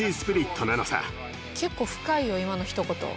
結構深いよ今のひと言。